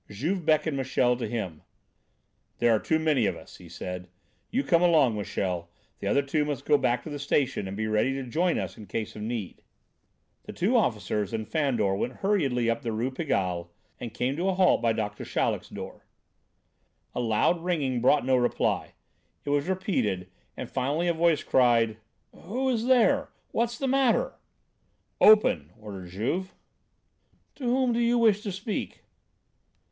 Juve beckoned Michel to him. "There are too many of us," he said. "You come along, Michel; the other two must go back to the station and be ready to join us in case of need." The two officers and Fandor went hurriedly up the Rue Pigalle and came to a halt by Doctor Chaleck's door. A loud ringing brought no reply. It was repeated, and finally a voice cried: "Who is there; what's the matter?" "Open," ordered Juve. "To whom do you wish to speak?"